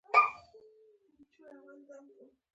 د چهارمغز نیالګي څنګه پیوند کړم؟